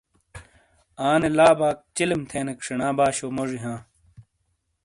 آنے لا باک چلم تھینیک شینا باشو موجی ہاں۔